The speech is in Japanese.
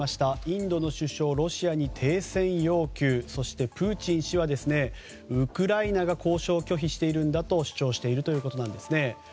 インドの首相、ロシアに停戦要求そしてプーチン氏はウクライナが交渉を拒否しているんだと主張しているということです。